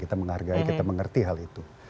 kita menghargai kita mengerti hal itu